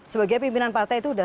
sebagai pimpinan partai itu